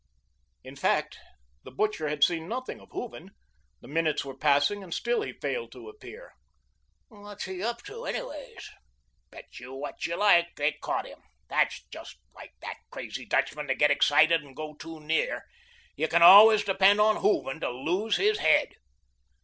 In fact, the butcher had seen nothing of Hooven. The minutes were passing, and still he failed to appear. "What's he up to, anyways?" "Bet you what you like, they caught him. Just like that crazy Dutchman to get excited and go too near. You can always depend on Hooven to lose his head."